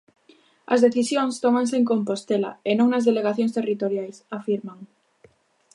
As decisións tómanse en Compostela e non nas delegacións territoriais, afirman.